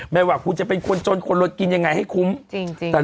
ไม่ว่าคุณจะเป็นคนจนคนเรากินยังไงให้คุ้มจริง